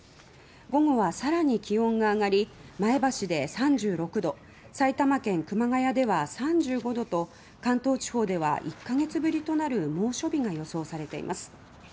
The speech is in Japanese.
午後は更に気温が上がり前橋で３６度埼玉県熊谷では３５度と関東地方では１か月ぶりとなる猛暑日が予想されています。